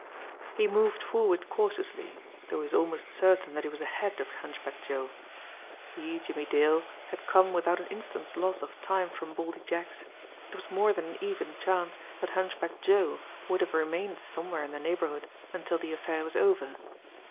He moved forward cautiously, though he was almost certain that he was ahead of Hunchback Joe. He, Jimmie Dale, had come without an instant's loss of time from Baldy Jack's, and it was more than an even chance that Hunchback Joe would have remained somewhere in the neighbourhood until the affair was over.